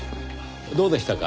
どうでしたか？